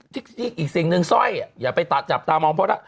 ทิกอีกสิ่งนึงซ่อยอย่าไปจับตามองเพราะว่า